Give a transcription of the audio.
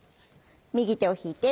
右手を引いて。